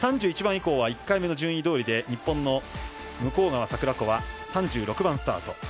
３１番以降は１回目の順位どおり日本の向川桜子は３６番スタート。